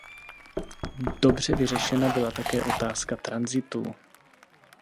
Dobře vyřešena byla také otázka transitů.